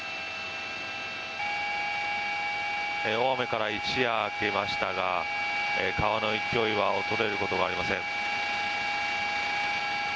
大雨から一夜明けましたが川の勢いは衰えることがありません。